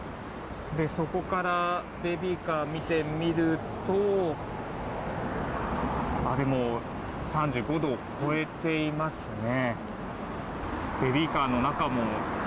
そこからベビーカーを見てみると３５度を超えていますね。